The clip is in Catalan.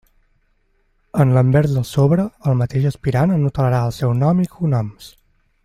En l'anvers del sobre, el mateix aspirant anotarà el seu nom i cognoms.